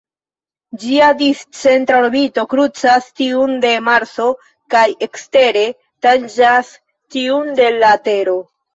Ĝia discentra orbito krucas tiun de Marso kaj ekstere tanĝas tiun de la Tero.